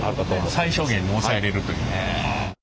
最小限に抑えれるというね。